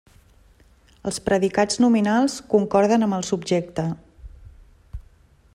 Els predicats nominals concorden amb el subjecte.